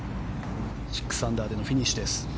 ６アンダーでフィニッシュです。